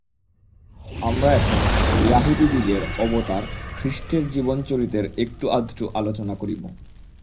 আমরা এখন য়াহুদীদিগের অবতার খ্রীষ্টের জীবনচরিতের একটু আধটু আলোচনা করিব।